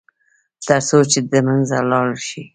تر څو چې د منځه لاړ شي.